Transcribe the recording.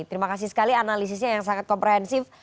terima kasih sekali analisisnya yang sangat komprehensif